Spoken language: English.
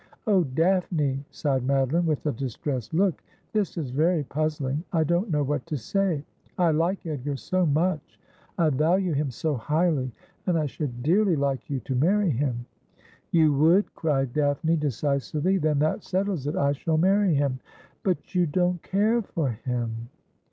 ' Oh, Daphne,' sighed Madoline, with a distressed look, ' this is very puzzling. I don't know what to say. I like Edgar so much — I value him so highly — and I should dearly like you to marry him.' ' You would !' cried Daphne decisively. ' Then that settles it. I shall marry him.' ' But you don't care for him.'